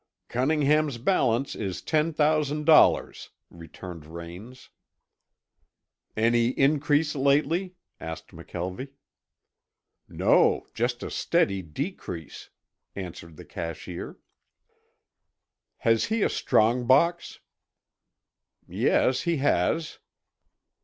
"Cunningham's balance is ten thousand dollars," returned Raines. "Any increase lately?" asked McKelvie. "No, just a steady decrease," answered the cashier. "Has he a strong box?" "Yes, he has."